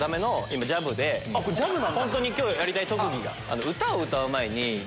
本当に今日やりたい特技が。